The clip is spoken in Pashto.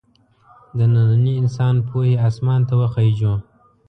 د ننني انسان پوهې اسمان ته وخېژو.